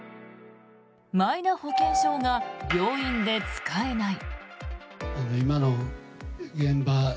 マイナ保険証が病院で使えない。